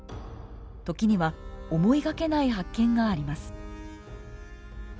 時には思いがけない発見があります。